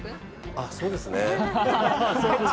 あ、そうですね。